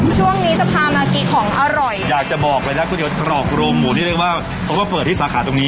ช่วงนี้จะพามากินของอร่อยอยากจะบอกเลยนะก๋วเตี๋ตรอกโรงหมูนี่เรียกว่าเขาก็เปิดที่สาขาตรงนี้